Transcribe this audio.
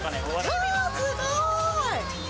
うわー、すごい。